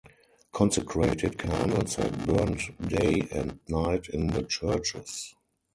Consecrated candles had burned day and night in the churches.